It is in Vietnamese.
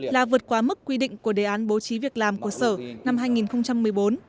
là vượt quá mức quy định của đề án bố trí việc làm của sở năm hai nghìn một mươi bốn